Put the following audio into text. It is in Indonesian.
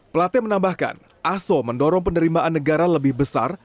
plate menambahkan aso mendorong penerimaan negara lebih besar